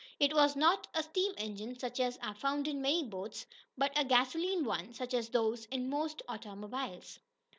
It was not a steam engine, such as are found in many boats, but a gasoline one, such as those in most automobiles.